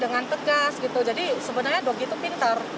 dengan tegas gitu jadi sebenarnya dog itu pinter